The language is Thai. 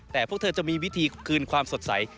แต่พวกเธอจะมีวิธีคืนความสดใส